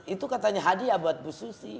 itu katanya hadiah buat bu susi